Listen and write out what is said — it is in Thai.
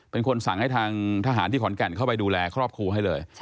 เป็นคนสั่งให้ทางทหารที่ขอนแก่นเข้าไปดูแลครอบครัวให้เลย